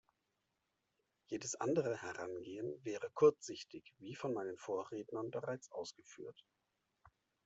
Jedes andere Herangehen wäre kurzsichtig, wie von meinen Vorrednern bereits ausgeführt.